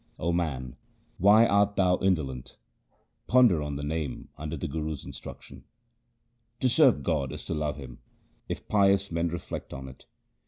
O man, why art thou indolent ? Ponder on the Name under the Guru's instruction. To serve God is to love Him, if pious men reflect on it.